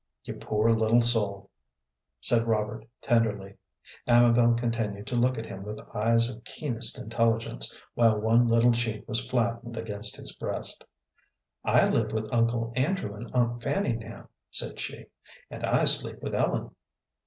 "You poor little soul," said Robert, tenderly. Amabel continued to look at him with eyes of keenest intelligence, while one little cheek was flattened against his breast. "I live with Uncle Andrew and Aunt Fanny now," said she, "and I sleep with Ellen."